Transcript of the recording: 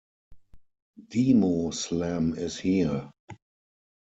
Demo Slam is here!